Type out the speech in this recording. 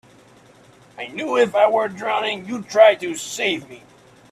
I knew if I were drowning you'd try to save me.